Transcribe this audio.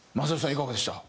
いかがでした？